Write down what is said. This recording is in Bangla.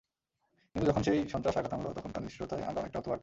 কিন্তু যখন সেই সন্ত্রাস আঘাত হানল, তখন তার নিষ্ঠুরতায় আমরা অনেকটাই হতবাক।